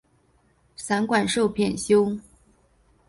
散馆授编修。